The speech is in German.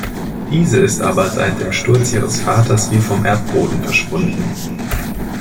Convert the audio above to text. Diese ist aber seit dem Sturz ihres Vaters wie vom Erdboden verschwunden.